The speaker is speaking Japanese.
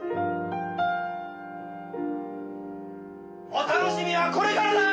お楽しみはこれからだー！